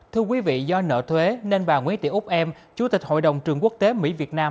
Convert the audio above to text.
thưa quý vị do nợ thuế nên bà nguyễn tị úc em chủ tịch hội đồng trường quốc tế mỹ việt nam